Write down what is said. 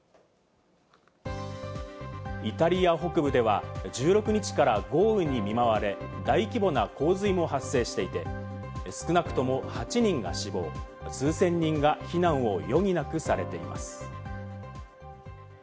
イタリア北部では１６日から豪雨に見舞われ、大規模な洪水も発生していて、少なくとも８人が死亡、数千人が避難を余儀なくされています。